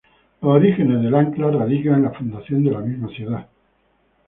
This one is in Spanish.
Los orígenes del ancla radican en la fundación de la misma ciudad.